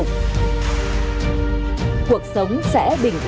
cuộc sống sẽ kết thúc hãy subscribe cho kênh ghiền mì gõ để không bỏ lỡ những video hấp dẫn